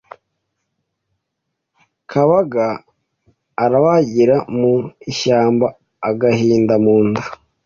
Kabaga arabagira mu ishyambaAgahinda mu nda